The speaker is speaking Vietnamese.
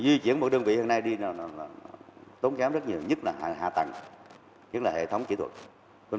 vì di chuyển một đơn vị hôm nay đi tốn kém rất nhiều nhất là hạ tầng nhất là hệ thống chỉ thuật